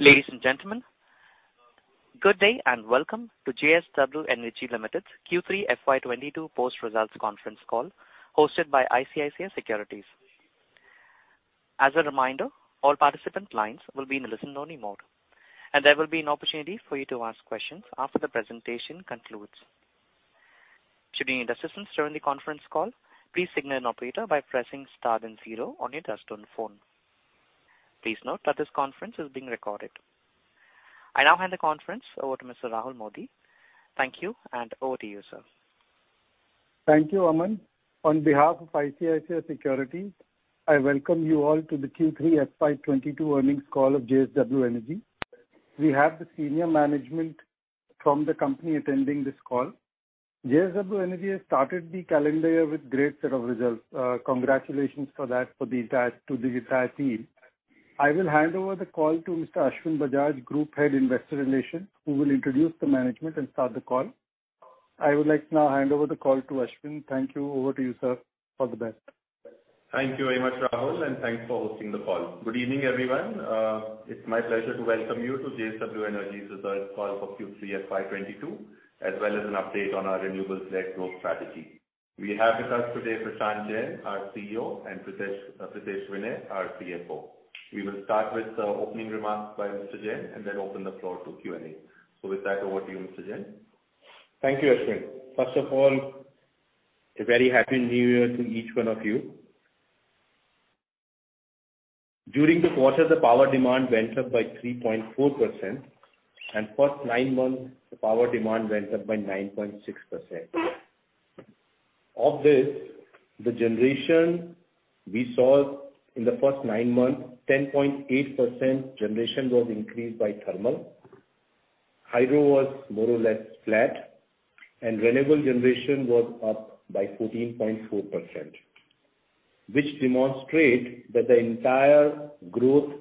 Ladies and gentlemen, good day and welcome to JSW Energy Limited's Q3 FY 2022 post-results conference call, hosted by ICICI Securities. As a reminder, all participant lines will be in a listen only mode, and there will be an opportunity for you to ask questions after the presentation concludes. Should you need assistance during the conference call, please signal an operator by pressing star then zero on your touchtone phone. Please note that this conference is being recorded. I now hand the conference over to Mr. Rahul Modi. Thank you and over to you, sir. Thank you, Aman. On behalf of ICICI Securities, I welcome you all to the Q3 FY 2022 earnings call of JSW Energy. We have the senior management from the company attending this call. JSW Energy has started the calendar year with great set of results. Congratulations for that, to the entire team. I will hand over the call to Mr. Ashwin Bajaj, Group Head, Investor Relations, who will introduce the management and start the call. I would like to now hand over the call to Ashwin. Thank you. Over to you, sir. All the best. Thank you very much, Rahul, and thanks for hosting the call. Good evening, everyone. It's my pleasure to welcome you to JSW Energy's results call for Q3 FY 2022, as well as an update on our renewables-led growth strategy. We have with us today Prashant Jain, our CEO, and Pritesh Vinay, our CFO. We will start with opening remarks by Mr. Jain and then open the floor to Q&A. With that, over to you, Mr. Jain. Thank you, Ashwin. First of all, a very happy new year to each one of you. During the quarter, the power demand went up by 3.4%. First nine months, the power demand went up by 9.6%. Of this, the generation we saw in the first nine months, 10.8% generation was increased by thermal. Hydro was more or less flat, and renewable generation was up by 14.4%, which demonstrate that the entire growth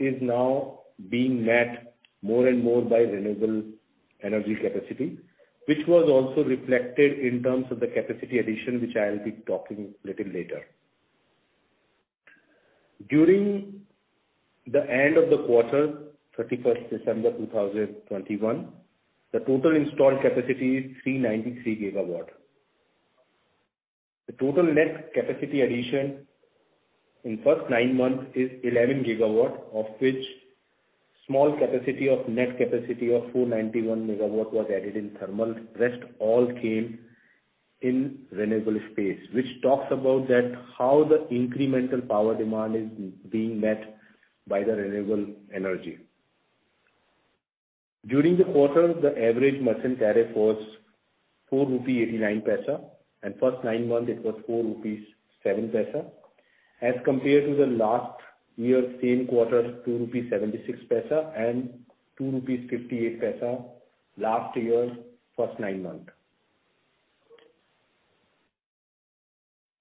is now being met more and more by renewable energy capacity, which was also reflected in terms of the capacity addition, which I'll be talking little later. During the end of the quarter, 31st December 2021, the total installed capacity is 393 GW. The total net capacity addition in first nine months is 11 GW, of which net capacity of 491 MW was added in thermal. Rest all came in renewable space, which talks about that how the incremental power demand is being met by the renewable energy. During the quarter, the average merchant tariff was 4.89 rupee, and first nine months it was 4.07 rupees. As compared to the last year's same quarter, 2.76 rupees and 2.58 rupees last year's first nine months.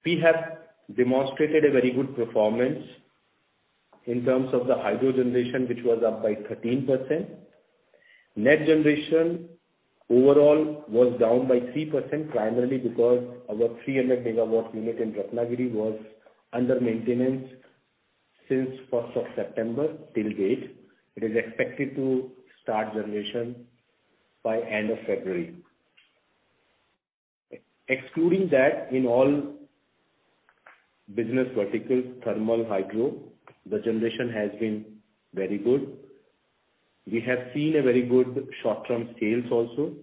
We have demonstrated a very good performance in terms of the hydro generation, which was up by 13%. Net generation overall was down by 3%, primarily because our 300 MW unit in Ratnagiri was under maintenance since first of September till date. It is expected to start generation by end of February. Excluding that, in all business verticals, thermal, hydro, the generation has been very good. We have seen a very good short-term sales also.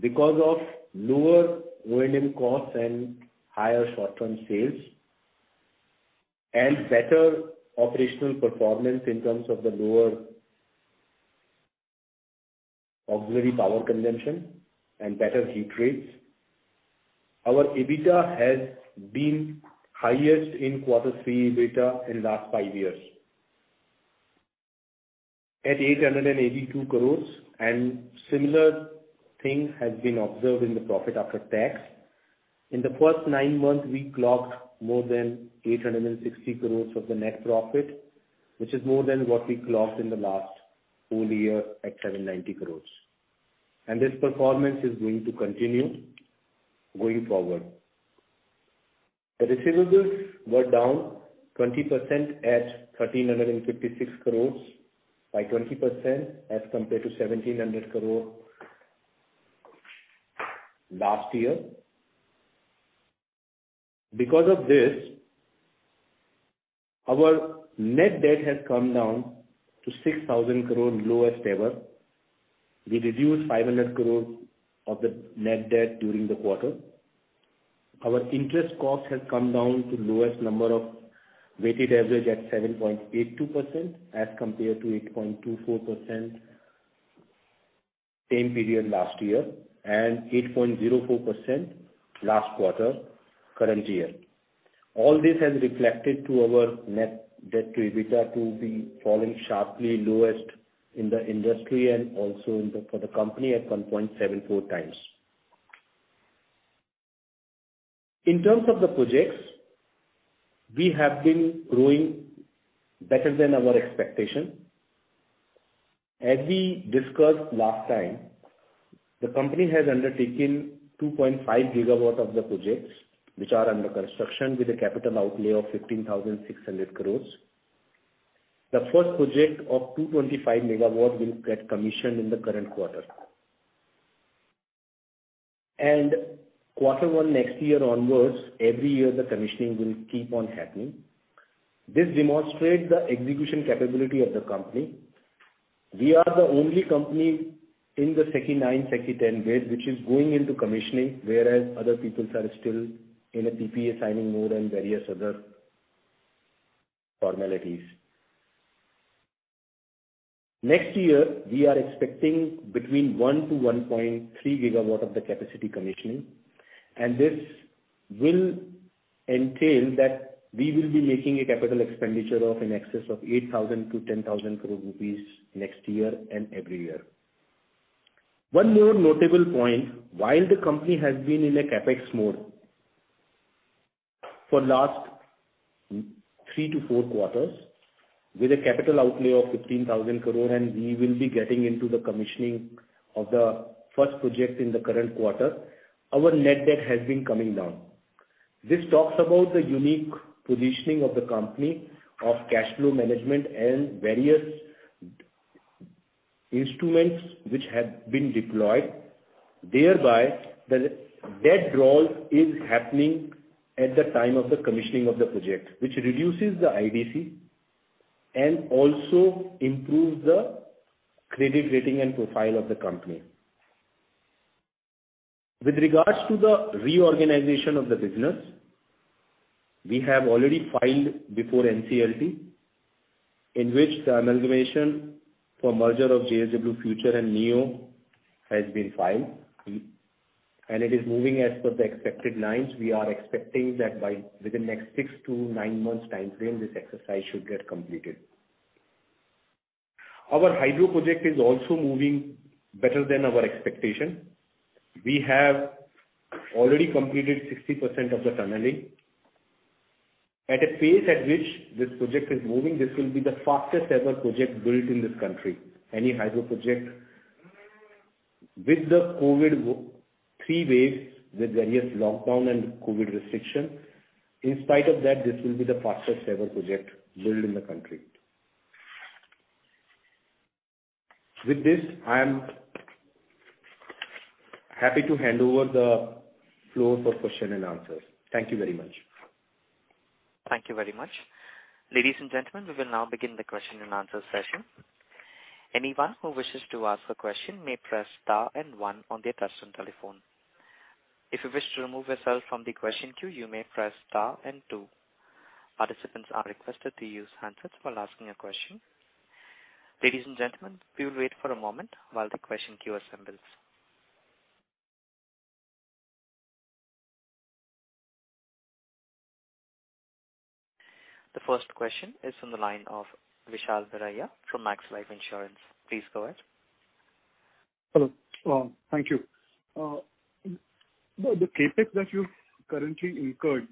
Because of lower raw material costs and higher short-term sales and better operational performance in terms of the lower auxiliary power consumption and better heat rates, our EBITDA has been highest in quarter three EBITDA in last five years at 882 crores. Similar thing has been observed in the profit after tax. In the first nine months, we clocked more than 860 crores of the net profit, which is more than what we clocked in the last full year at 790 crores. This performance is going to continue going forward. The receivables were down 20% at 1,356 crores, by 20% as compared to 1,700 crore last year. Because of this, our net debt has come down to 6,000 crore, lowest ever. We reduced 500 crore of the net debt during the quarter. Our interest cost has come down to lowest number of weighted average at 7.82% as compared to 8.24% same period last year and 8.04% last quarter current year. All this has reflected to our net debt to EBITDA to be falling sharply, lowest in the industry and also in the for the company at 1.74x. In terms of the projects, we have been growing better than our expectation. As we discussed last time. The company has undertaken 2.5 GW of the projects which are under construction with a capital outlay of 15,600 crore. The first project of 225 MW will get commissioned in the current quarter. Quarter one next year onwards, every year the commissioning will keep on happening. This demonstrates the execution capability of the company. We are the only company in the SECI 9, SECI 10 grid which is going into commissioning, whereas other people are still in a PPA signing mode and various other formalities. Next year we are expecting between 1-1.3 GW of the capacity commissioning, and this will entail that we will be making a capital expenditure of in excess of 8,000 crore-10,000 crore rupees next year and every year. One more notable point, while the company has been in a CapEx mode for last 3Q-4Q a capital outlay of 15,000 crore, and we will be getting into the commissioning of the first project in the current quarter, our net debt has been coming down. This talks about the unique positioning of the company of cash flow management and various instruments which have been deployed. Thereby the debt drawdown is happening at the time of the commissioning of the project, which reduces the IDC and also improves the credit rating and profile of the company. With regards to the reorganization of the business, we have already filed before NCLT, in which the amalgamation for merger of JSW Future Energy and JSW Neo Energy has been filed. It is moving as per the expected lines. We are expecting that within the next six-nine months timeframe, this exercise should get completed. Our hydro project is also moving better than our expectation. We have already completed 60% of the tunneling. At a pace at which this project is moving, this will be the fastest ever project built in this country, any hydro project. With the COVID's 3 waves, with various lockdowns and COVID restrictions, in spite of that, this will be the fastest ever project built in the country. With this, I am happy to hand over the floor for questions and answers. Thank you very much. Thank you very much. Ladies and gentlemen, we will now begin the question and answer session. Anyone who wishes to ask a question may press star and one on their touchtone telephone. If you wish to remove yourself from the question queue, you may press star and two. Participants are requested to use handsets while asking a question. Ladies and gentlemen, we will wait for a moment while the question queue assembles. The first question is from the line of Vishal Biraia from Max Life Insurance. Please go ahead. Hello. Thank you. The CapEx that you've currently incurred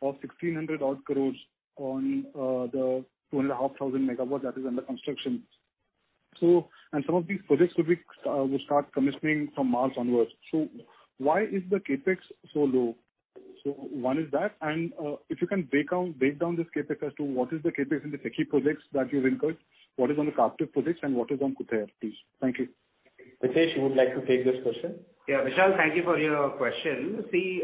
of 1,600-odd crores on the 2,500 MW that is under construction. Some of these projects will start commissioning from March onwards. Why is the CapEx so low? One is that, if you can break down this CapEx as to what is the CapEx in the SECI projects that you've incurred, what is on the captive projects and what is on Kutehr, please. Thank you. Pritesh, would you like to take this question? Vishal Biraia, thank you for your question. See,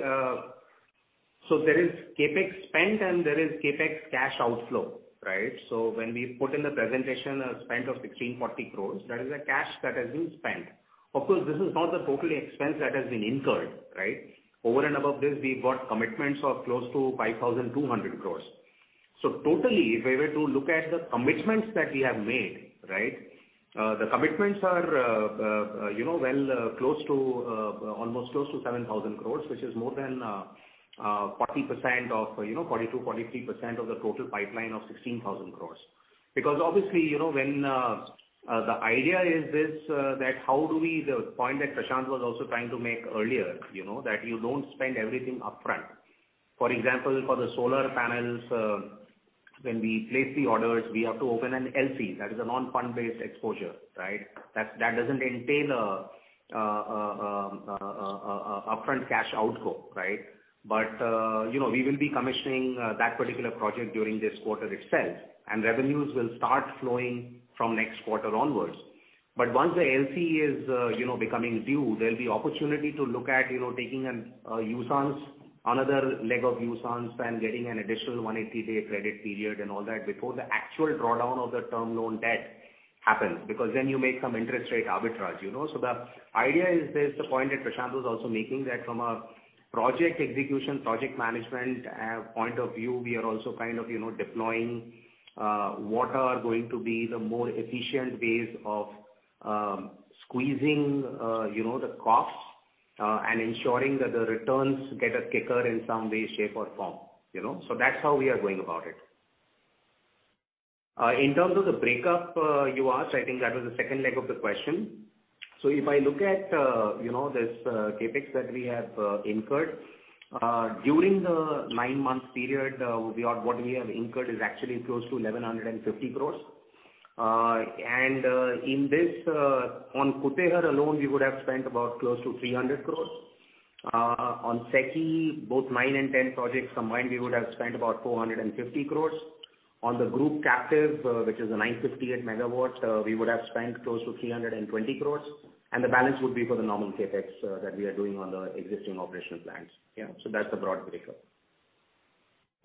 so there is CapEx spent and there is CapEx cash outflow, right? When we put in the presentation a spend of 1,640 crore, that is the cash that has been spent. Of course, this is not the total expense that has been incurred, right? Over and above this, we've got commitments of close to 5,200 crore. Totally, if I were to look at the commitments that we have made, right, the commitments are close to almost 7,000 crore, which is more than 40% of 42%-43% of the total pipeline of 16,000 crore. Because obviously, when the idea is this, that how do we. The point that Prashant was also trying to make earlier, you know, that you don't spend everything upfront. For example, for the solar panels, when we place the orders, we have to open an LC, that is a non-fund-based exposure, right? That doesn't entail a upfront cash outgo, right? You know, we will be commissioning that particular project during this quarter itself, and revenues will start flowing from next quarter onwards. Once the LC is, you know, becoming due, there'll be opportunity to look at, you know, taking an usance, another leg of usance and getting an additional 180-day credit period and all that before the actual drawdown of the term loan debt happens. Because then you make some interest rate arbitrage, you know? The idea is this, the point that Prashant was also making that from a project execution, project management, point of view, we are also kind of, you know, deploying, what are going to be the more efficient ways of, squeezing, you know, the costs, and ensuring that the returns get a kicker in some way, shape or form, you know. That's how we are going about it. In terms of the breakup, you asked, I think that was the second leg of the question. If I look at, you know, this, CapEx that we have incurred during the nine-month period, what we have incurred is actually close to 1,150 crores. In this, on Kutehr alone, we would have spent about close to 300 crore. On SECI, both 9 and 10 projects combined, we would have spent about 450 crore. On the group captive, which is a 958 MW, we would have spent close to 320 crore, and the balance would be for the normal CapEx that we are doing on the existing operational plants. Yeah. That's the broad breakup.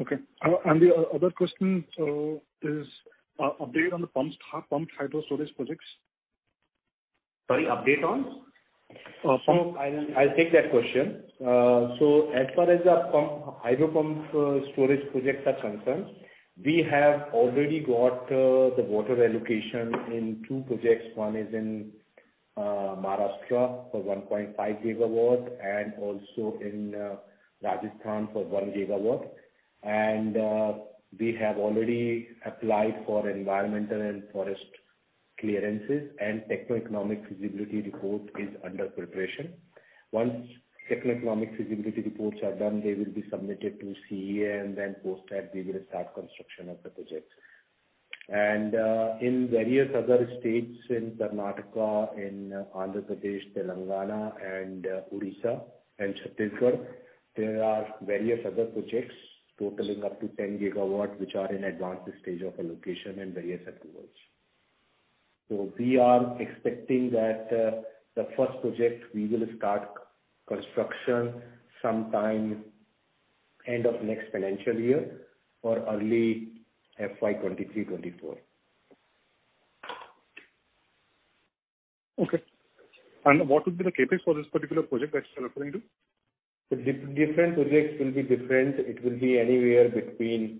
Okay. The other question is update on the pumped hydro storage projects. Sorry, update on? Uh, pumped- I'll take that question. As far as our pumped hydro storage projects are concerned, we have already got the water allocation in two projects. One is in Maharashtra for 1.5 GW and also in Rajasthan for 1 GW. We have already applied for environmental and forest clearances, and techno-economic feasibility report is under preparation. Once techno-economic feasibility reports are done, they will be submitted to CEA and then post that we will start construction of the projects. In various other states in Karnataka, in Andhra Pradesh, Telangana and Orissa and Chhattisgarh, there are various other projects totaling up to 10 GW, which are in advanced stage of allocation and various approvals. We are expecting that the first project we will start construction sometime end of next financial year or early FY 2023-24. Okay. What would be the CapEx for this particular project that you're referring to? Different projects will be different. It will be anywhere between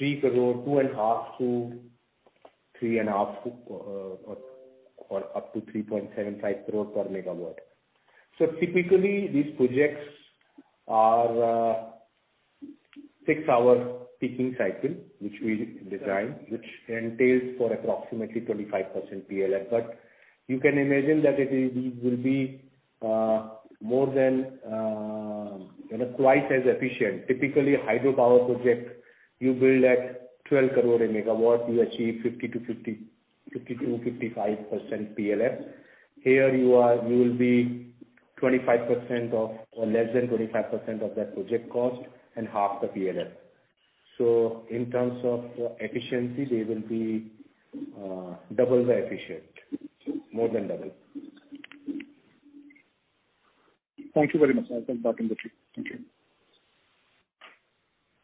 2.5 crore-3.5 crore, or up to 3.75 crore per MW. Typically these projects are six-hour peaking cycle, which we design, which entails approximately 25% PLF. You can imagine that it will be more than, you know, twice as efficient. Typically a hydropower project you build at 12 crore a megawatt, you achieve 50%-55% PLF. Here you are, you will be 25% of or less than 25% of that project cost and half the PLF. In terms of efficiency, they will be doubly efficient, more than double. Thank you very much. I think that concludes it. Thank you.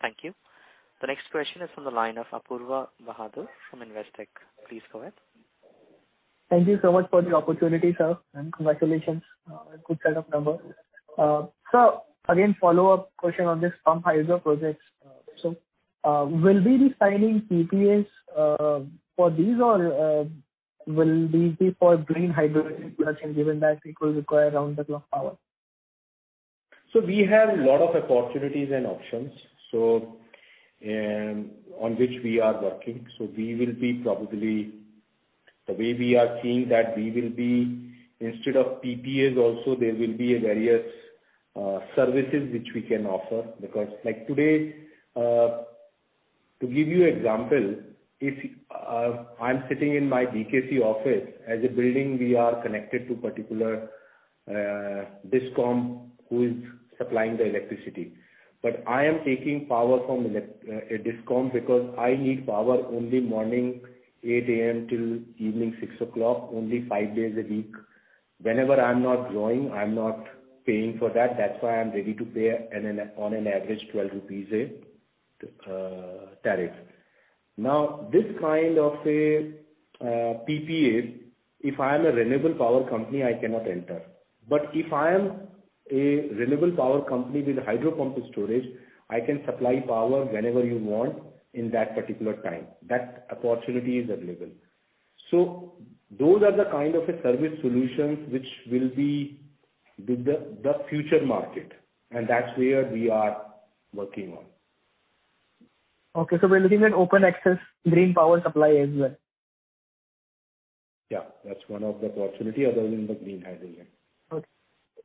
Thank you. The next question is from the line of Apoorva Bahadur from Investec. Please go ahead. Thank you so much for the opportunity, sir, and congratulations on good set of numbers. Again, follow-up question on this pumped hydro projects. Will we be signing PPAs for these or will these be for green hydrogen production given that it will require around-the-clock power? We have a lot of opportunities and options on which we are working. We will be probably the way we are seeing that we will be instead of PPAs also there will be various services which we can offer. Because like today to give you example if I'm sitting in my BKC office as a building we are connected to particular DISCOM who is supplying the electricity. But I am taking power from a DISCOM because I need power only 8:00 A.M. till 6:00 P.M. only five days a week. Whenever I'm not drawing I'm not paying for that. That's why I'm ready to pay on an average 12 rupees tariff. Now this kind of PPA if I am a renewable power company I cannot enter. If I am a renewable power company with hydro pump storage, I can supply power whenever you want in that particular time. That opportunity is available. Those are the kind of a service solutions which will be the future market, and that's where we are working on. Okay. We are looking at open access green power supply as well. Yeah, that's one of the possibility other than the green hydrogen. Okay,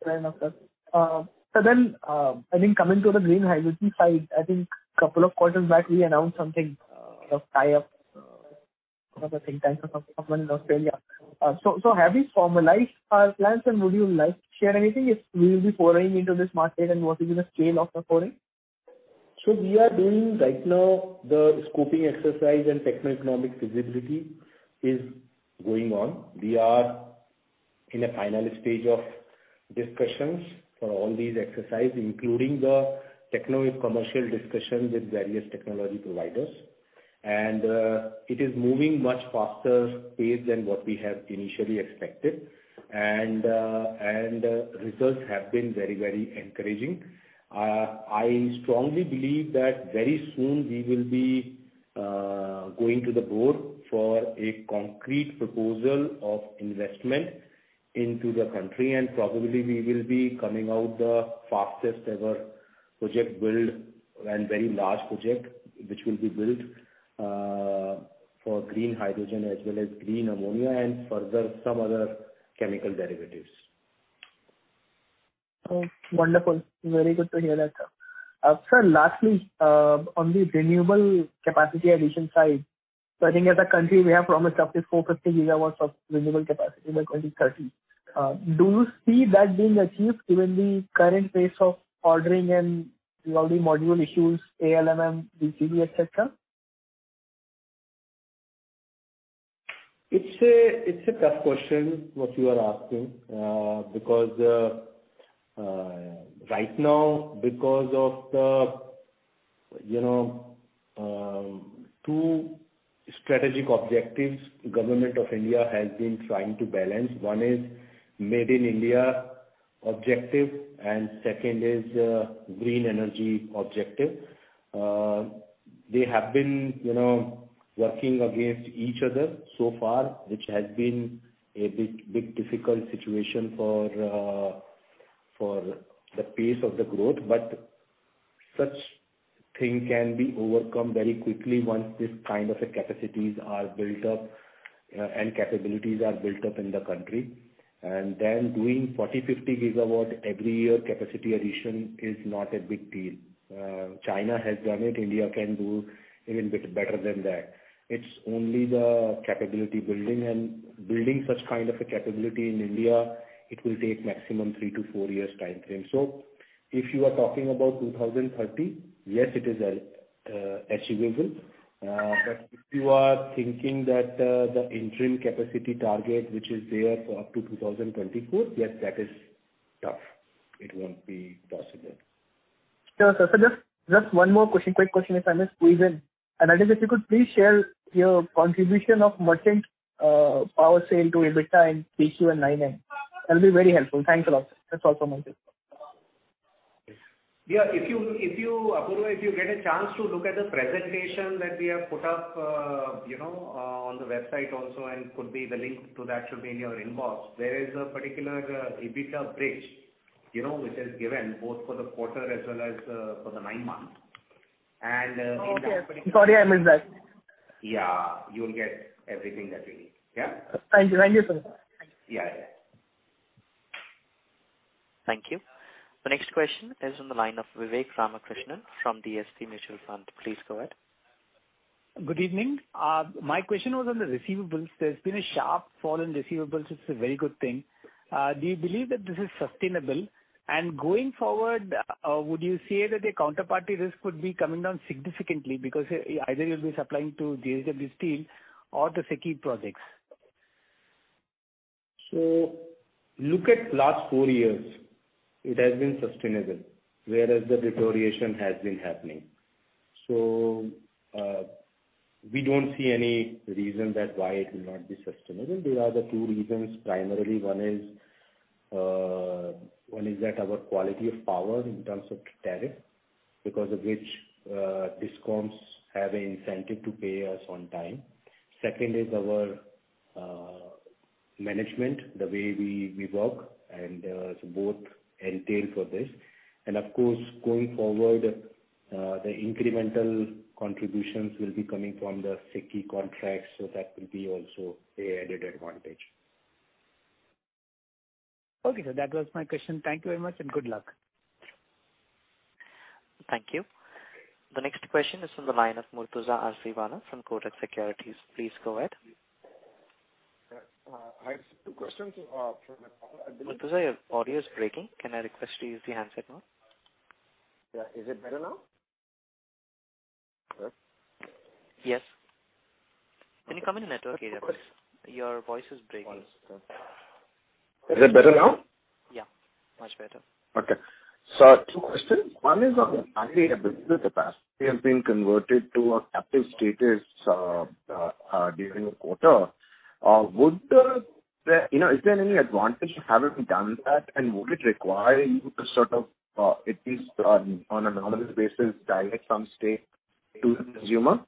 fair enough, sir. I think coming to the green hydrogen side, I think couple of quarters back we announced something, a tie-up, what was I thinking? Some company in Australia. Have you formalized plans and would you like to share anything if we will be foraying into this market and what is gonna be the scale of the foraying? We are doing right now the scoping exercise and techno-economic feasibility is going on. We are in a final stage of discussions for all these exercise, including the techno and commercial discussions with various technology providers. It is moving much faster pace than what we had initially expected. Results have been very, very encouraging. I strongly believe that very soon we will be going to the board for a concrete proposal of investment into the country, and probably we will be coming out the fastest ever project build and very large project which will be built for green hydrogen as well as green ammonia and further some other chemical derivatives. Oh, wonderful. Very good to hear that, sir. Sir, lastly, on the renewable capacity addition side. I think as a country, we have promised up to 450 GW of renewable capacity by 2030. Do you see that being achieved given the current pace of ordering and all the module issues, ALMM, BCD, etc.? It's a tough question what you are asking, because right now because of the, you know, two strategic objectives Government of India has been trying to balance. One is Make in India objective and second is green energy objective. They have been, you know, working against each other so far, which has been a bit difficult situation for the pace of the growth. Such thing can be overcome very quickly once this kind of a capacities are built up, and capabilities are built up in the country. Then doing 40-50 GW every year capacity addition is not a big deal. China has done it, India can do even bit better than that. It's only the capability building and building such kind of a capability in India, it will take maximum three-four years timeframe. If you are talking about 2030, yes, it is achievable. If you are thinking that the interim capacity target which is there for up to 2024, yes, that is tough. It won't be possible. Sure, sir. Just one more question, quick question, if I may squeeze in. That is if you could please share your contribution of merchant power sale to EBITDA in Q2 and 9M. That'll be very helpful. Thanks a lot. That's all from my end. Yeah, Apoorva, if you get a chance to look at the presentation that we have put up, you know, on the website also, and the link to that should be in your inbox. There is a particular EBITDA bridge, you know, which is given both for the quarter as well as for the nine months. Okay. Sorry, I missed that. Yeah. You'll get everything that we need. Yeah. Thank you. Thank you, sir. Yeah. Yeah. Thank you. The next question is on the line of Vivek Ramakrishnan from DSP Mutual Fund. Please go ahead. Good evening. My question was on the receivables. There's been a sharp fall in receivables. It's a very good thing. Do you believe that this is sustainable? Going forward, would you say that the counterparty risk would be coming down significantly because either you'll be supplying to JSW Steel or the SECI projects? Look at last four years, it has been sustainable, whereas the deterioration has been happening. We don't see any reason why it will not be sustainable. There are two reasons. Primarily, one is that our quality of power in terms of tariff, because of which, discoms have an incentive to pay us on time. Second is our management, the way we work, and so both entail for this. Of course, going forward, the incremental contributions will be coming from the SECI contracts, so that will be also an added advantage. Okay, sir. That was my question. Thank you very much and good luck. Thank you. The next question is from the line of Murtuza Arsiwalla from Kotak Securities. Please go ahead. I have two questions from- Murtuza, your audio is breaking. Can I request you use the handset now? Yeah. Is it better now? Hello? Yes. Can you come in the network area please? Your voice is breaking. One second. Is it better now? Yeah, much better. Okay. Two questions. One is on the Yeah. We have been converted to a captive status during the quarter. You know, is there any advantage to having done that? Would it require you to sort of, at least on an open access basis direct from state to the consumer,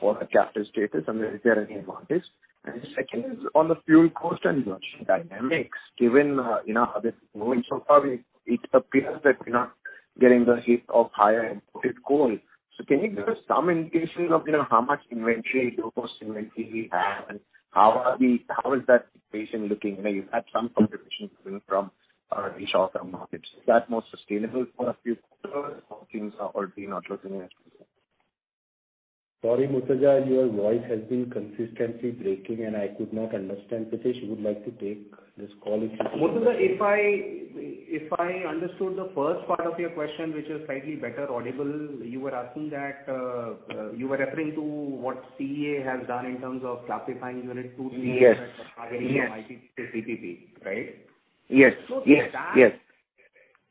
for the captive status? Is there any advantage? Second is on the fuel cost and margin dynamics. Given, you know, how this is moving so far, it appears that you're not getting the hit of higher imported coal. Can you give us some indications of, you know, how much inventory, your cost inventory you have and how is that situation looking? You know, you had some contribution coming from the short-term markets. Is that more sustainable for a few quarters or things are not looking as precise? Sorry, Murtuza, your voice has been consistently breaking and I could not understand. Pritesh, would you like to take this call if you see- Murtuza, if I understood the first part of your question, which is slightly better audible, you were asking that, you were referring to what CEA has done in terms of classifying unit to- Yes. Yes. Targeting IPP to CPP, right? Yes.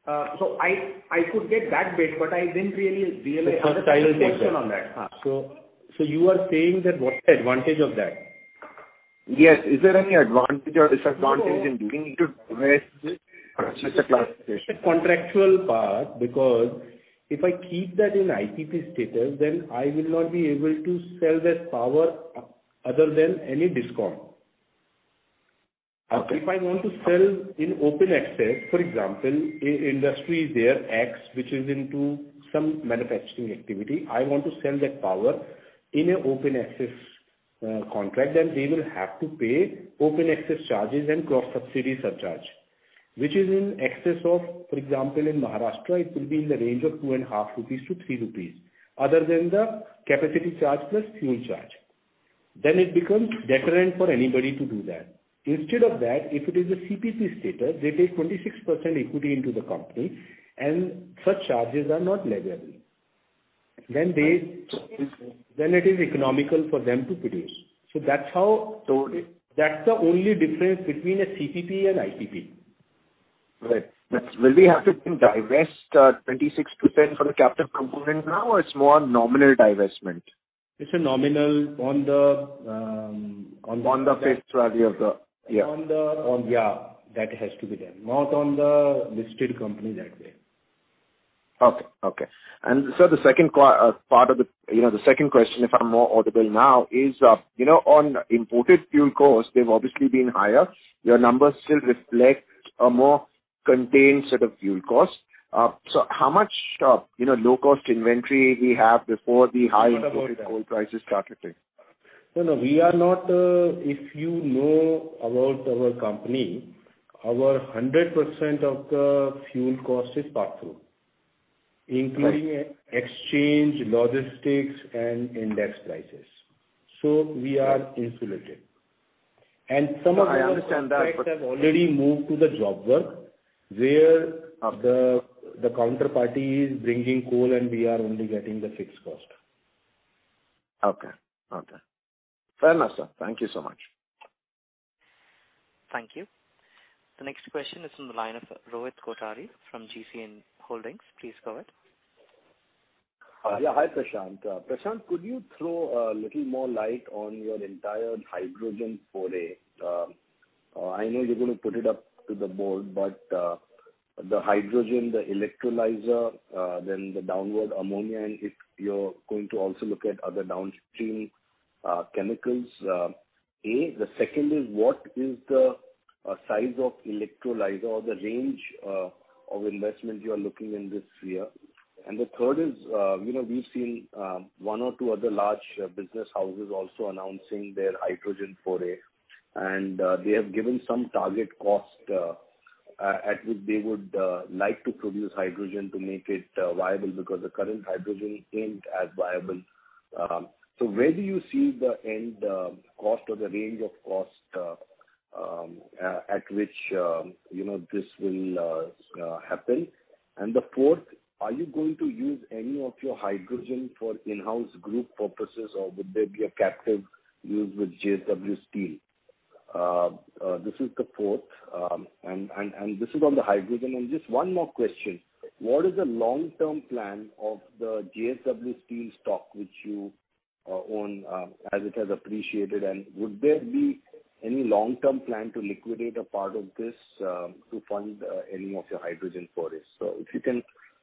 I could get that bit, but I didn't really realize. I will take that. The second question on that. You are saying that what's the advantage of that? Yes. Is there any advantage or disadvantage in doing it? What is such a classification? The contractual part, because if I keep that in IPP status, then I will not be able to sell that power other than any discount. Okay. If I want to sell in open access, for example, industry is there, X, which is into some manufacturing activity. I want to sell that power in an open access contract, then they will have to pay open access charges and cross subsidy surcharge, which is in excess of, for example, in Maharashtra, it will be in the range of 2.5-3 rupees, other than the capacity charge plus fuel charge. It becomes a deterrent for anybody to do that. Instead of that, if it is a CPP status, they take 26% equity into the company, and such charges are not leviable. It is economical for them to produce. That's the only difference between a CPP and IPP. Right. Will we have to then divest 26% for the captive component now, or it's more nominal divestment? It's a nominal on the. Yeah. Yeah, that has to be there. Not on the listed company that way. Okay, okay. Sir, the second question, if I'm more audible now, is, you know, on imported fuel costs. They've obviously been higher. Your numbers still reflect a more contained set of fuel costs. So how much, you know, low cost inventory we have before the high- Sorry about that. Imported coal prices started to. No, no. We are not. If you know about our company, our 100% of the fuel cost is pass through. Right. Including exchange, logistics, and index prices. We are insulated. Right. Some of our I understand that. contracts have already moved to the job work where Okay. The counterparty is bringing coal, and we are only getting the fixed cost. Okay. Okay. Fair enough, sir. Thank you so much. Thank you. The next question is from the line of Rohit Kothari from GeeCee Holdings. Please go ahead. Hi. Yeah. Hi, Prashant. Prashant, could you throw a little more light on your entire hydrogen foray? I know you're gonna put it up to the board, but the hydrogen, the electrolyzer, then the downstream ammonia and if you're going to also look at other downstream chemicals. The second is what is the size of electrolyzer or the range of investment you are looking in this sphere. The third is, you know, we've seen one or two other large business houses also announcing their hydrogen foray, and they have given some target cost at which they would like to produce hydrogen to make it viable because the current hydrogen isn't as viable. Where do you see the end cost or the range of cost at which you know this will happen? The fourth, are you going to use any of your hydrogen for in-house group purposes, or would there be a captive use with JSW Steel? This is the fourth. This is on the hydrogen. Just one more question: What is the long-term plan of the JSW Steel stock, which you own, as it has appreciated, and would there be any long-term plan to liquidate a part of this to fund any of your hydrogen forays? If you can,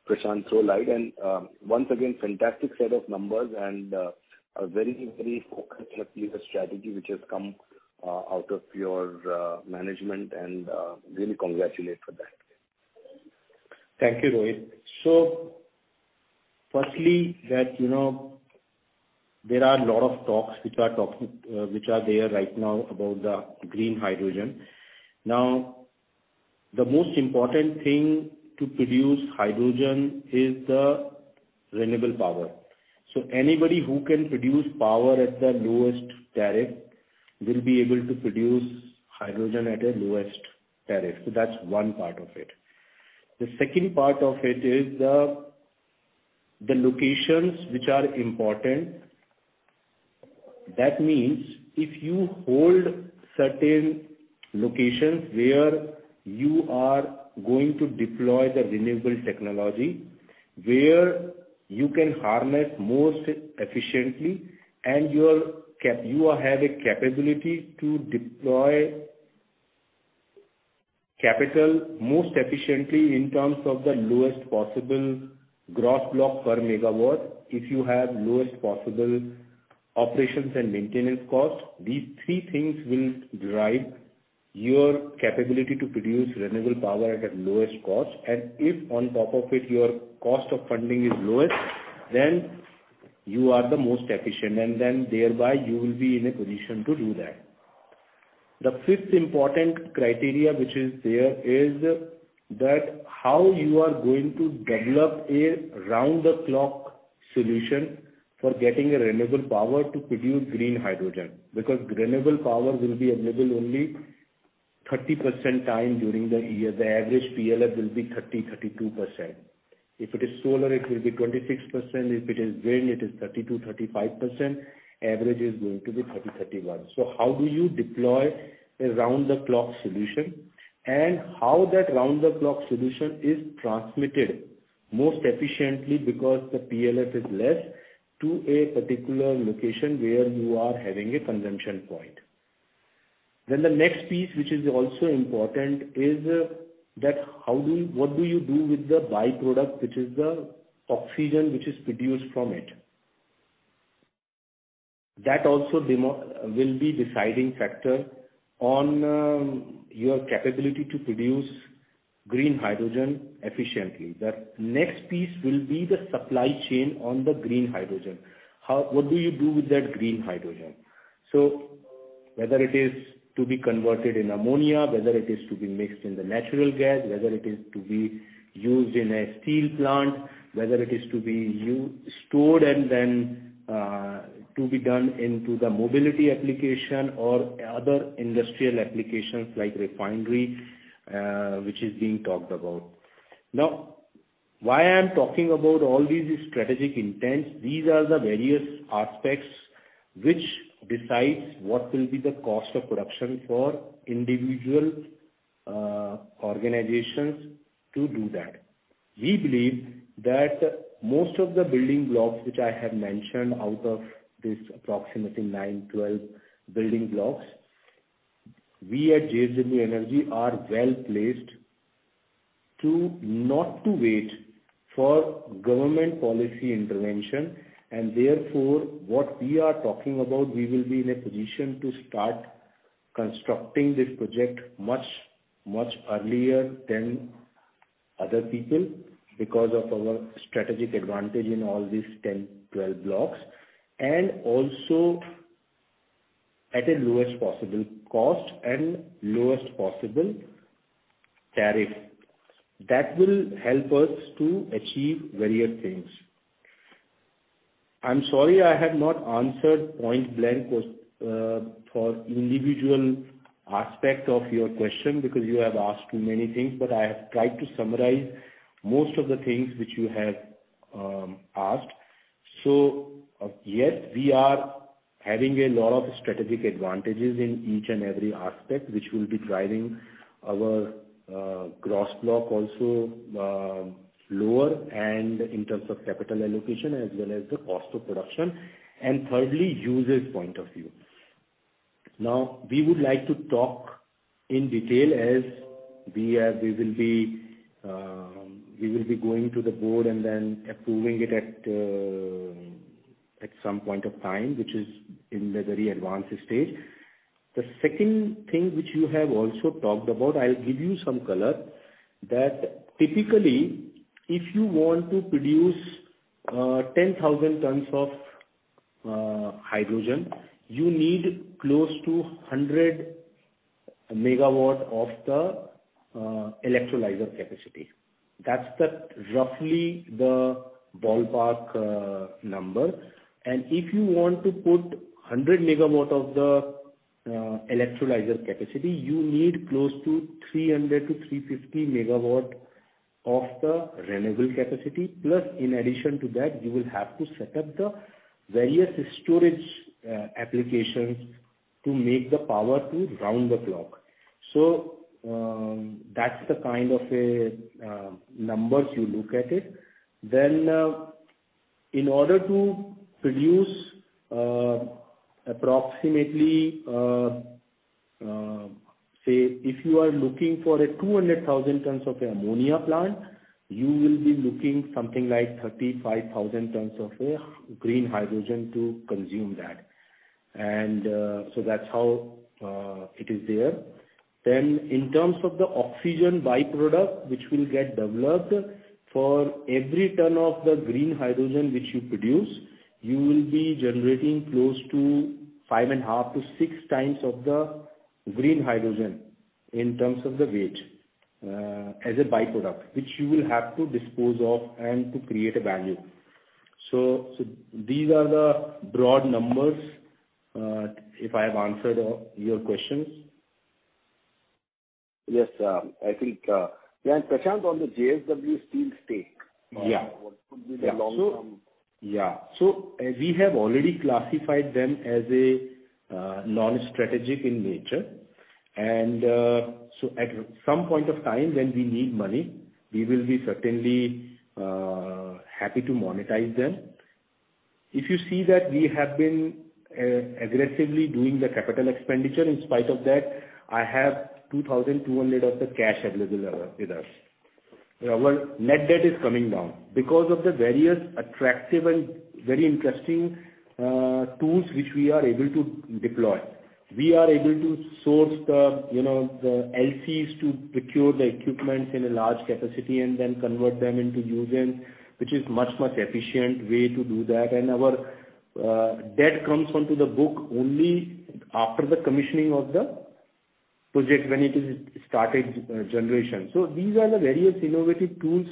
Prashant, throw light. Once again, fantastic set of numbers and a very focused strategy which has come out of your management and really congratulate for that. Thank you, Rohit. Firstly, that, you know, there are a lot of talks which are there right now about the green hydrogen. Now, the most important thing to produce hydrogen is the renewable power. Anybody who can produce power at the lowest tariff will be able to produce hydrogen at a lowest tariff. That's one part of it. The second part of it is the locations which are important. That means if you hold certain locations where you are going to deploy the renewable technology, where you can harness most efficiently and you have a capability to deploy capital most efficiently in terms of the lowest possible gross block per megawatt. If you have lowest possible operations and maintenance costs, these three things will drive your capability to produce renewable power at a lowest cost. If on top of it, your cost of funding is lowest, then you are the most efficient, and then thereby you will be in a position to do that. The fifth important criteria which is there is that how you are going to develop a round-the-clock solution for getting a renewable power to produce green hydrogen. Because renewable power will be available only 30% of the time during the year. The average PLF will be 30-32%. If it is solar, it will be 26%. If it is wind, it is 30%-35%. Average is going to be 30-31. So how do you deploy a round-the-clock solution, and how that round-the-clock solution is transmitted most efficiently because the PLF is less to a particular location where you are having a consumption point. The next piece, which is also important is, that what do you do with the by-product, which is the oxygen which is produced from it. That also will be deciding factor on, your capability to produce green hydrogen efficiently. The next piece will be the supply chain on the green hydrogen. What do you do with that green hydrogen? So whether it is to be converted in ammonia, whether it is to be mixed in the natural gas, whether it is to be used in a steel plant, whether it is to be stored and then, to be done into the mobility application or other industrial applications like refinery, which is being talked about. Now, why I am talking about all these strategic intents, these are the various aspects which decides what will be the cost of production for individual organizations to do that. We believe that most of the building blocks which I have mentioned out of this approximately 9 12 building blocks, we at JSW Energy are well placed to not to wait for government policy intervention. Therefore, what we are talking about, we will be in a position to start constructing this project much, much earlier than other people because of our strategic advantage in all these 10, 12 blocks, and also at a lowest possible cost and lowest possible tariff. That will help us to achieve various things. I'm sorry I have not answered point blank question for individual aspect of your question because you have asked too many things, but I have tried to summarize most of the things which you have asked. Yes, we are having a lot of strategic advantages in each and every aspect, which will be driving our cost block also lower and in terms of capital allocation as well as the cost of production, and thirdly, user's point of view. Now, we would like to talk in detail as we will be going to the board and then approving it at some point of time, which is in the very advanced stage. The second thing which you have also talked about, I'll give you some color, that typically if you want to produce 10,000 tons of hydrogen, you need close to 100 MW of the electrolyzer capacity. That's roughly the ballpark number. If you want to put 100 MW of the electrolyzer capacity, you need close to 300-350 MW of the renewable capacity, plus in addition to that, you will have to set up the various storage applications to make the power round the clock. That's the kind of numbers you look at it. In order to produce approximately, say if you are looking for a 200,000 tons of ammonia plant, you will be looking something like 35,000 tons of green hydrogen to consume that. That's how it is there. In terms of the oxygen by-product which will get developed, for every ton of the green hydrogen which you produce, you will be generating close to 5.5-6 times of the green hydrogen in terms of the weight, as a by-product, which you will have to dispose of and to create a value. These are the broad numbers, if I have answered your questions. Yeah, Prashant on the JSW Steel stake. Yeah. What could be the long-term? So, we have already classified them as a non-strategic in nature. At some point of time when we need money, we will be certainly happy to monetize them. If you see that we have been aggressively doing the capital expenditure, in spite of that, I have 2,200 crore cash available with us. Our net debt is coming down because of the various attractive and very interesting tools which we are able to deploy. We are able to source the, you know, the LCs to procure the equipment in a large capacity and then convert them into usance, which is much more efficient way to do that. Our debt comes onto the books only after the commissioning of the project when it starts generation. These are the various innovative tools.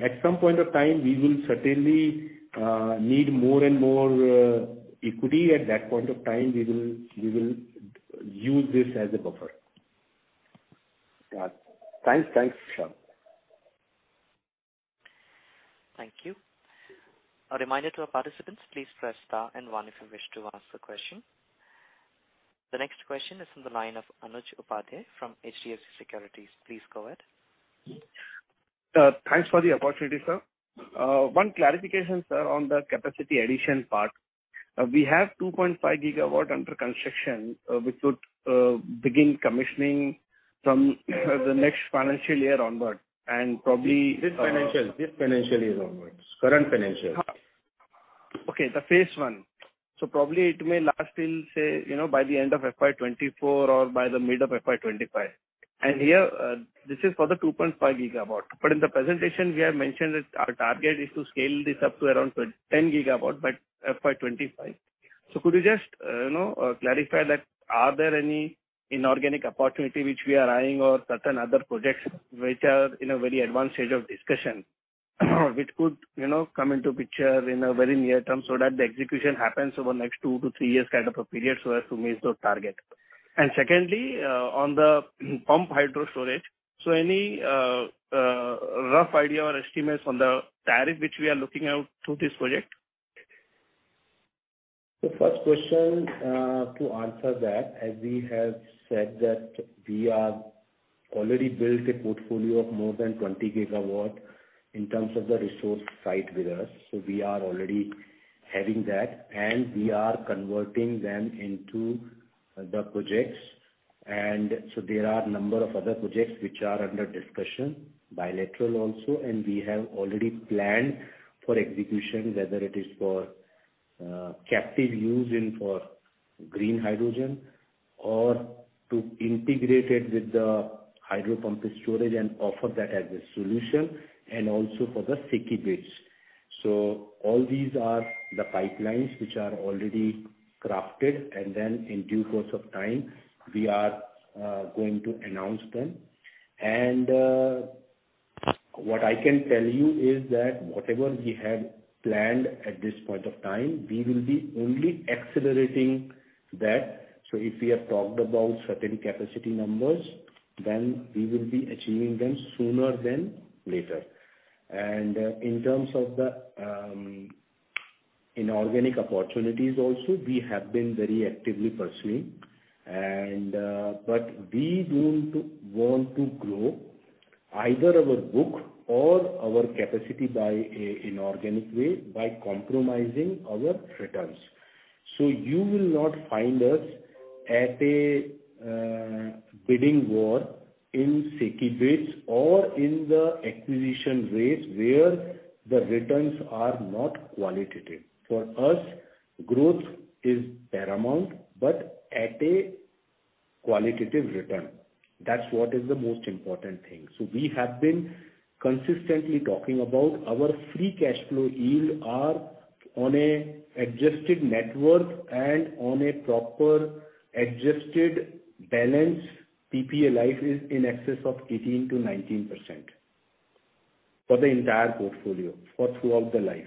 At some point of time, we will certainly need more and more equity. At that point of time, we will use this as a buffer. Got it. Thanks. Thanks, Prashant. Thank you. A reminder to our participants, please press star and one if you wish to ask a question. The next question is from the line of Anuj Upadhyay from HDFC Securities. Please go ahead. Thanks for the opportunity, sir. One clarification, sir, on the capacity addition part. We have 2.5 GW under construction, which could begin commissioning from the next financial year onwards and probably. This financial year onwards. Current financial. Okay, the phase I. Probably it may last till, say, you know, by the end of FY 2024 or by the mid of FY 2025. Here, this is for the 2.5 GW. But in the presentation we have mentioned that our target is to scale this up to around 10 GW by FY 2025. Could you just, you know, clarify that are there any inorganic opportunity which we are eyeing or certain other projects which are in a very advanced stage of discussion which could, you know, come into picture in a very near term so that the execution happens over next two-three years kind of a period so as to meet the target? Secondly, on the pumped hydro storage. Any rough idea or estimates on the tariff which we are looking out through this project? The first question to answer that, as we have said that we are already built a portfolio of more than 20 GW in terms of the resource site with us. We are already having that and we are converting them into the projects. There are a number of other projects which are under discussion, bilateral also, and we have already planned for execution, whether it is for captive use for green hydrogen or to integrate it with the pumped hydro storage and offer that as a solution and also for the SECI bids. All these are the pipelines which are already crafted and then in due course of time we are going to announce them. What I can tell you is that whatever we have planned at this point of time, we will be only accelerating that. If we have talked about certain capacity numbers, then we will be achieving them sooner than later. In terms of the inorganic opportunities also, we have been very actively pursuing and But we don't want to grow either our book or our capacity by a inorganic way by compromising our returns. You will not find us at a bidding war in SECI bids or in the acquisition rates where the returns are not qualitative. For us, growth is paramount, but at a qualitative return. That's what is the most important thing. We have been consistently talking about our free cash flow yield are on a adjusted net worth and on a proper adjusted balance. PPA life is in excess of 18%-19% for the entire portfolio for throughout the life.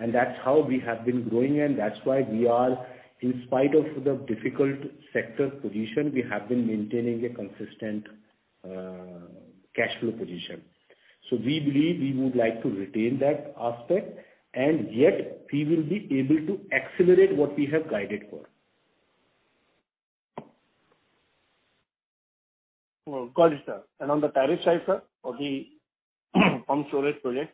That's how we have been growing and that's why we are, in spite of the difficult sector position, we have been maintaining a consistent cash flow position. We believe we would like to retain that aspect and yet we will be able to accelerate what we have guided for. Got it, sir. On the tariff side, sir, for the pumped storage project.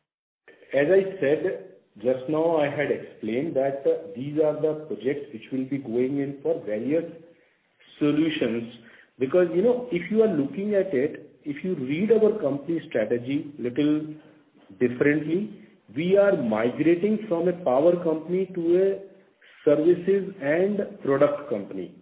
As I said just now, I had explained that these are the projects which will be going in for various solutions. Because, you know, if you are looking at it, if you read our company strategy little differently, we are migrating from a power company to a services and product company.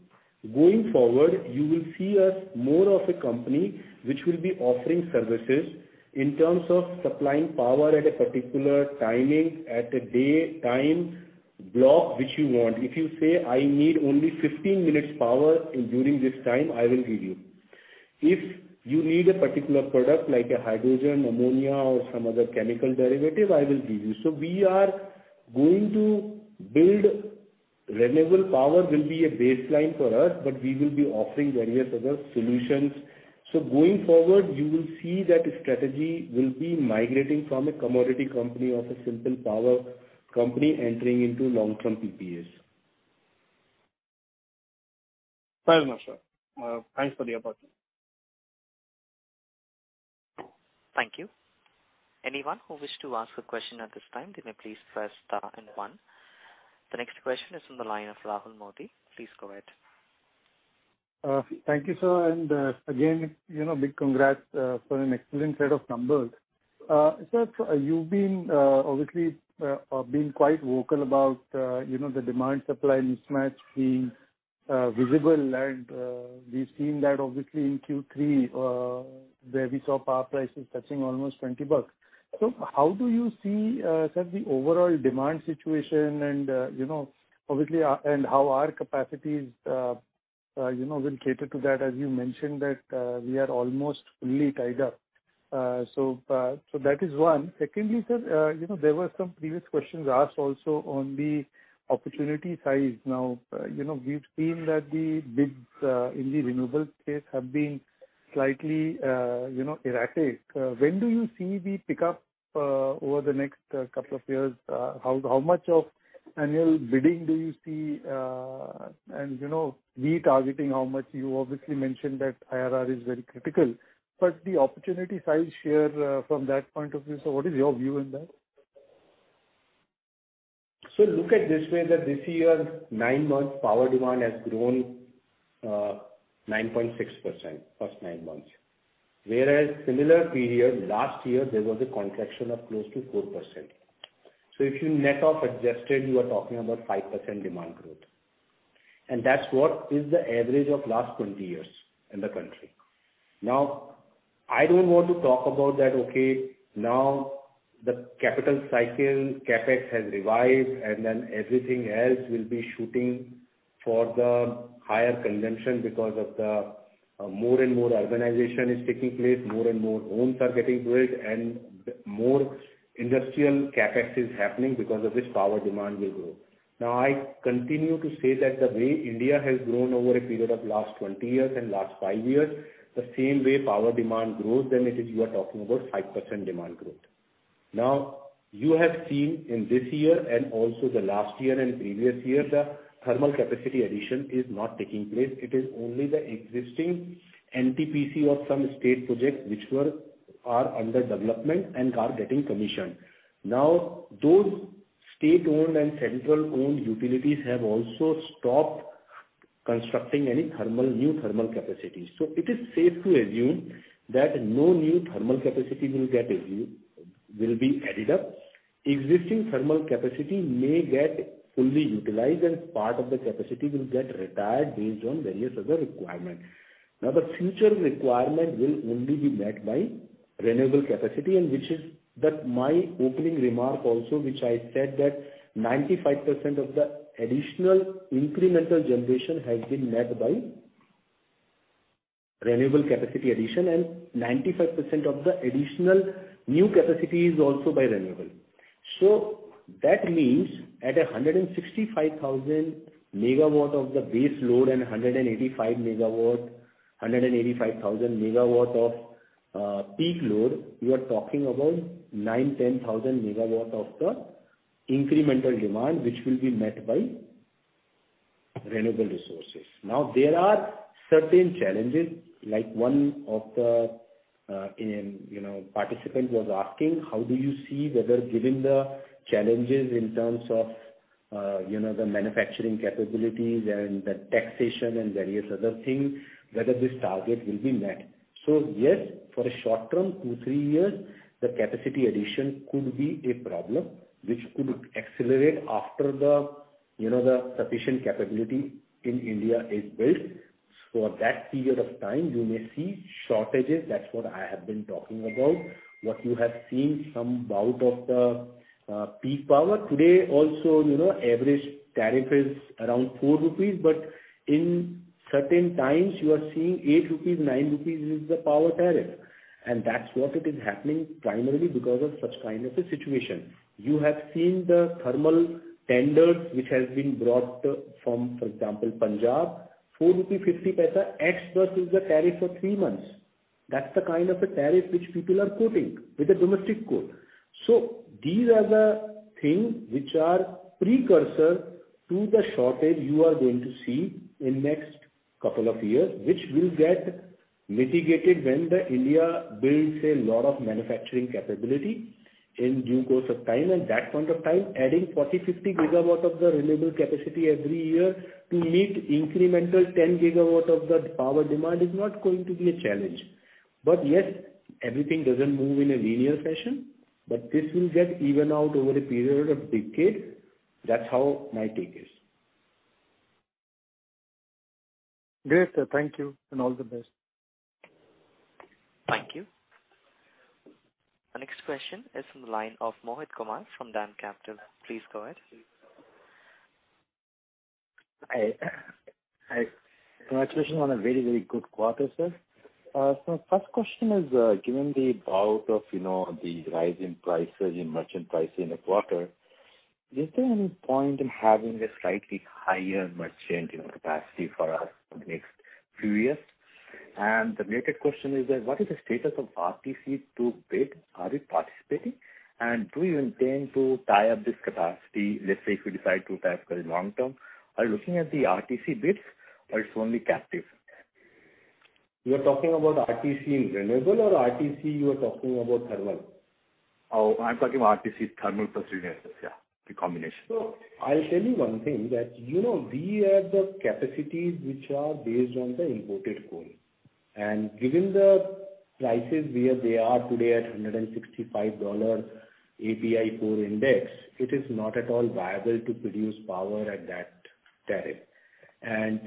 Going forward, you will see us more of a company which will be offering services in terms of supplying power at a particular timing, at a day time block which you want. If you say, "I need only 15 minutes power during this time," I will give you. If you need a particular product like a hydrogen, ammonia or some other chemical derivative, I will give you. We are going to build renewable power will be a baseline for us, but we will be offering various other solutions. Going forward, you will see that strategy will be migrating from a commodity company or a simple power company entering into long-term PPAs. Fair enough, sir. Thanks for the opportunity. Thank you. Anyone who wish to ask a question at this time, then please press star and one. The next question is from the line of Rahul Modi. Please go ahead. Thank you, sir. Again, you know, big congrats for an excellent set of numbers. Sir, you've been obviously quite vocal about you know, the demand supply mismatch being visible. We've seen that obviously in Q3, where we saw power prices touching almost INR 20. How do you see sir, the overall demand situation and you know, obviously and how our capacities you know, will cater to that? As you mentioned that we are almost fully tied up. That is one. Secondly, sir, you know, there were some previous questions asked also on the opportunity size. Now, you know, we've seen that the bids in the renewable space have been slightly you know, erratic. When do you see the pickup over the next couple of years? How much of annual bidding do you see, and, you know, retargeting how much? You obviously mentioned that IRR is very critical, but the opportunity size share from that point of view. What is your view on that? Look at this way that this year nine months power demand has grown, 9.6%, first 9 months. Whereas similar period last year, there was a contraction of close to 4%. If you net off adjusted, you are talking about 5% demand growth. That's what is the average of last 20 years in the country. Now, I don't want to talk about that, okay, now the capital cycle CapEx has revised, and then everything else will be shooting for the higher consumption because of the more and more urbanization is taking place, more and more homes are getting built, and more industrial CapEx is happening because of this power demand will grow. Now, I continue to say that the way India has grown over a period of last 20 years and last five years, the same way power demand grows, then it is you are talking about 5% demand growth. Now, you have seen in this year and also the last year and previous year, the thermal capacity addition is not taking place. It is only the existing NTPC or some state projects are under development and are getting commissioned. Now, those state-owned and central-owned utilities have also stopped constructing any new thermal capacity. It is safe to assume that no new thermal capacity will get added. Existing thermal capacity may get fully utilized, and part of the capacity will get retired based on various other requirements. Now, the future requirement will only be met by renewable capacity, and which is that my opening remark also, which I said that 95% of the additional incremental generation has been met by renewable capacity addition, and 95% of the additional new capacity is also by renewable. That means at a 165,000 MW of the base load and 185,000 MW of peak load, you are talking about 9,000-10,000 MW of the incremental demand, which will be met by renewable resources. Now, there are certain challenges, like one of the, you know, participant was asking, "How do you see whether given the challenges in terms of, the manufacturing capabilities and the taxation and various other things, whether this target will be met?" Yes, for a short term, two, three years, the capacity addition could be a problem which could accelerate after the, you know, the sufficient capacity in India is built. For that period of time, you may see shortages. That's what I have been talking about. What you have seen, some bout of the peak power. Today also, you know, average tariff is around 4 rupees. But in certain times you are seeing 8 rupees, 9 rupees is the power tariff. That's what it is happening primarily because of such kind of a situation. You have seen the thermal tenders which has been brought from, for example, Punjab, 4.50 rupees ex-bus is the tariff for three months. That's the kind of a tariff which people are quoting with a domestic coal. These are the things which are precursor to the shortage you are going to see in next couple of years, which will get mitigated when India builds a lot of manufacturing capability in due course of time. At that point of time, adding 40-50 GW of the renewable capacity every year to meet incremental 10 GW of the power demand is not going to be a challenge. Yes, everything doesn't move in a linear fashion, but this will get even out over a period of decade. That's how my take is. Great. Thank you and all the best. Thank you. Our next question is from the line of Mohit Kumar from DAM Capital. Please go ahead. Hi. Congratulations on a very, very good quarter, sir. First question is, given the bout of, you know, the rise in prices in merchant prices in the quarter, is there any point in having a slightly higher merchant, you know, capacity for us for the next few years? The related question is that what is the status of RTC to bid? Are you participating? Do you intend to tie up this capacity, let's say, if you decide to tie up for the long term? Are you looking at the RTC bids or it's only captive? You are talking about RTC in renewable or RTC you are talking about thermal? Oh, I'm talking about RTC thermal plus renewables, yeah. The combination. I'll tell you one thing, that we have the capacities which are based on the imported coal. Given the prices where they are today at $165 API 4 index, it is not at all viable to produce power at that tariff.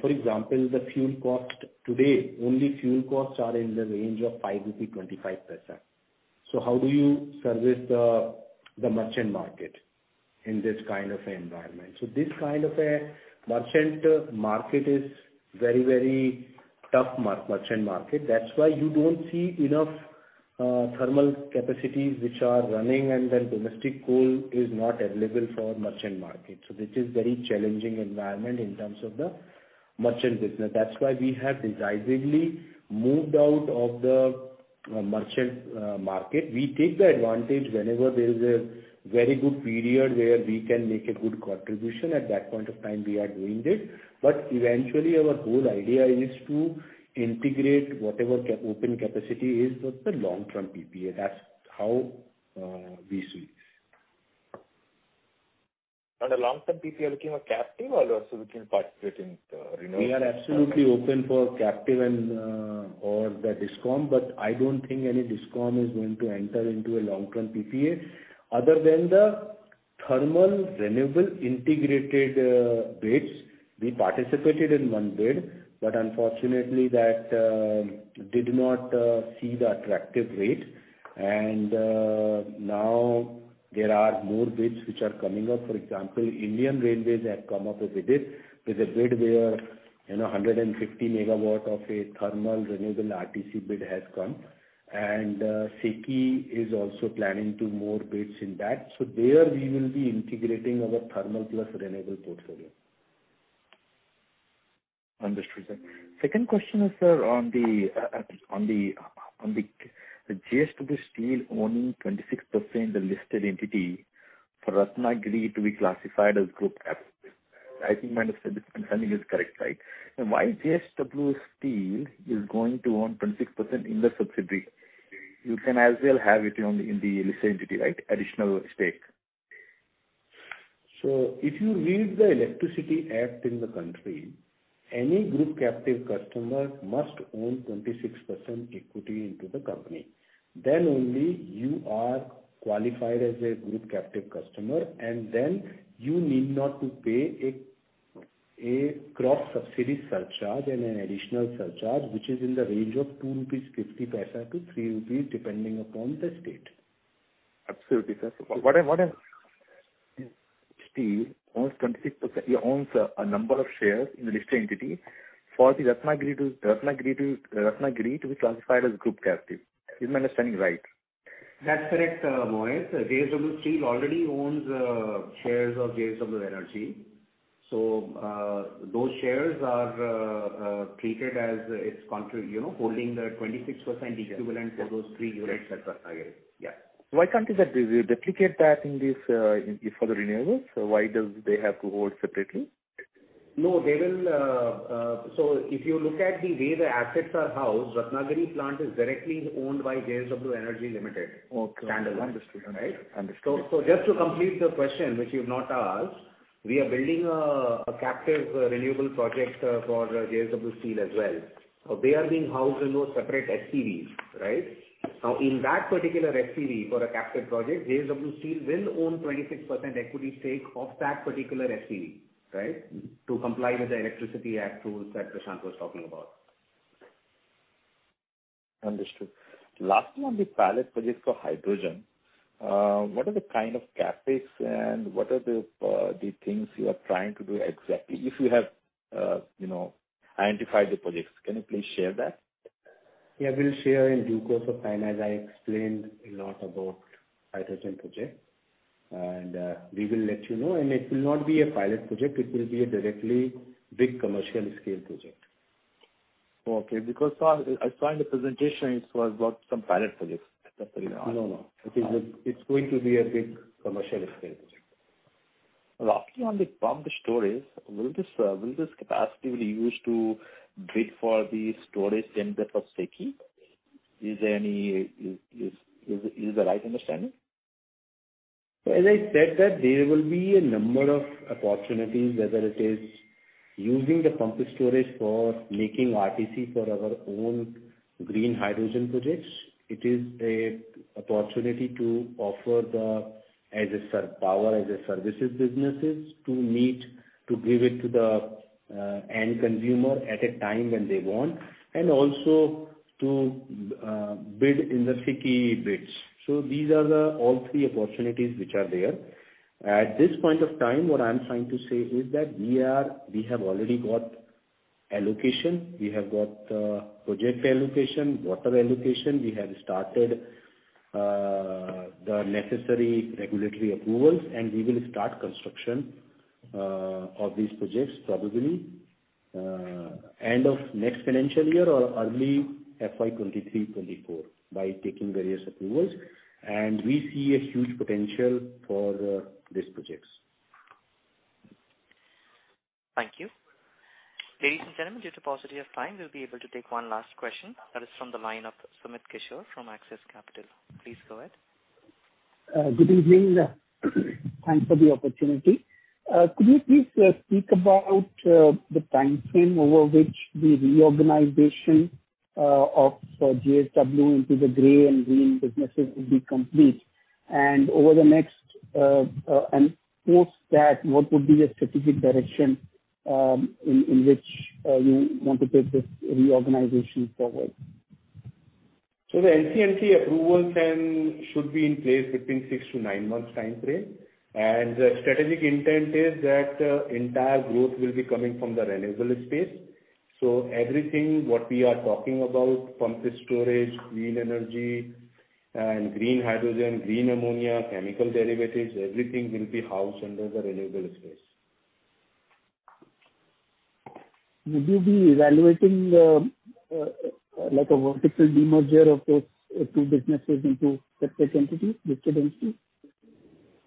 For example, the fuel cost today, only fuel costs are in the range of 5.25 rupees. How do you service the merchant market in this kind of environment? This kind of a merchant market is very, very tough merchant market. That's why you don't see enough thermal capacities which are running, and then domestic coal is not available for merchant market. This is very challenging environment in terms of the merchant business. That's why we have decisively moved out of the merchant market. We take the advantage whenever there is a very good period where we can make a good contribution. At that point of time, we are doing it. Eventually, our whole idea is to integrate whatever open capacity is with the long-term PPA. That's how we see. Under long-term PPA looking at captive or also we can participate in the renewable- We are absolutely open for captive and/or the DISCOM, but I don't think any DISCOM is going to enter into a long-term PPA other than the thermal renewable integrated bids. We participated in one bid, but unfortunately that did not see the attractive rate. Now there are more bids which are coming up. For example, Indian Railways have come up with a bid where, you know, 150 MW of a thermal renewable RTC bid has come. SECI is also planning two more bids in that. There we will be integrating our thermal plus renewable portfolio. Understood, sir. Second question is, sir, on the JSW Steel owning 26% the listed entity for Ratnagiri to be classified as group captive. I think my understanding is correct, right? Then why JSW Steel is going to own 26% in the subsidiary? You can as well have it in the listed entity, right? Additional stake. If you read the Electricity Act in the country, any group captive customer must own 26% equity into the company. Then only you are qualified as a group captive customer, and then you need not to pay a cross-subsidy surcharge and an additional surcharge, which is in the range of 2.50-3 rupees, depending upon the state. Absolutely, sir. JSW Steel owns 26% a number of shares in the listed entity for the Ratnagiri to be classified as group captive. Is my understanding right? That's correct, Mohit. JSW Steel already owns shares of JSW Energy. Those shares are treated as its contra you know, holding the 26% equivalent for those three units at Ratnagiri. Yeah. Why can't they just replicate that in this, for the renewables? Why does they have to hold separately? No, they will. If you look at the way the assets are housed, Ratnagiri plant is directly owned by JSW Energy Limited. Okay. Standalone. Understood. Right. Just to complete the question which you've not asked, we are building a captive renewable project for JSW Steel as well. They are being housed in those separate SPVs, right? Now, in that particular SPV for a captive project, JSW Steel will own 26% equity stake of that particular SPV, right, to comply with the Electricity Act rules that Prashant was talking about. Understood. Last one, the pilot project for hydrogen. What are the kind of CapEx and what are the things you are trying to do exactly? If you have, you know, identified the projects, can you please share that? Yeah, we'll share in due course of time, as I explained a lot about hydrogen project. We will let you know. It will not be a pilot project, it will be a directly big commercial scale project. Okay. Because, sir, I find the presentation it was about some pilot projects. No, no. It is, it's going to be a big commercial scale project. Lastly, on the pumped storage, will this capacity be used to bid for the storage tender for SECI? Is the right understanding? As I said that there will be a number of opportunities, whether it is using the pumped storage for making RTC for our own green hydrogen projects. It is an opportunity to offer the power as a service businesses to meet, to give it to the end consumer at a time when they want, and also to bid in the SECI bids. These are all three opportunities which are there. At this point of time, what I'm trying to say is that we have already got allocation. We have got project allocation, water allocation. We have started the necessary regulatory approvals, and we will start construction of these projects probably end of next financial year or early FY 2023, 2024, by taking various approvals. We see a huge potential for these projects. Thank you. Ladies and gentlemen, due to paucity of time, we'll be able to take one last question. That is from the line of Sumit Kishore from Axis Capital. Please go ahead. Good evening. Thanks for the opportunity. Could you please speak about the timeframe over which the reorganization of JSW into the gray and green businesses will be complete? Over the next and post that, what would be the strategic direction in which you want to take this reorganization forward? The NCLT approval should be in place between 6-9 months timeframe. Strategic intent is that entire growth will be coming from the renewable space. Everything what we are talking about, pumped storage, green energy and green hydrogen, green ammonia, chemical derivatives, everything will be housed under the renewable space. Would you be evaluating, like a vertical demerger of those two businesses into separate entities, listed entities?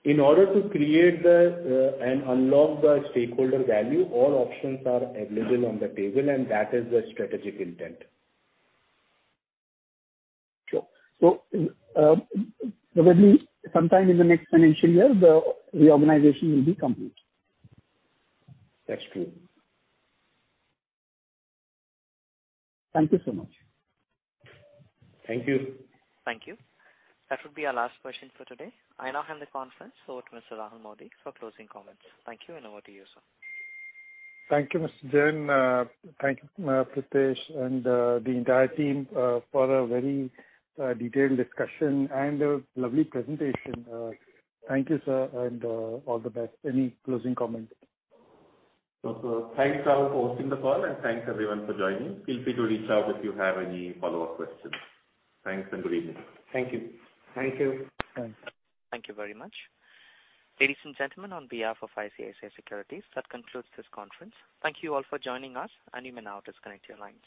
In order to create and unlock the stakeholder value, all options are available on the table, and that is the strategic intent. Sure. Probably sometime in the next financial year the reorganization will be complete. That's true. Thank you so much. Thank you. Thank you. That would be our last question for today. I now hand the conference over to Mr. Rahul Modi for closing comments. Thank you and over to you, sir. Thank you, Mr. Jain. Thank you, Pritesh, and the entire team, for a very detailed discussion and a lovely presentation. Thank you, sir, and all the best. Any closing comment? Thanks Rahul for hosting the call and thanks everyone for joining. Feel free to reach out if you have any follow-up questions. Thanks and good evening. Thank you. Thank you. Thanks. Thank you very much. Ladies and gentlemen, on behalf of ICICI Securities, that concludes this conference. Thank you all for joining us, and you may now disconnect your lines.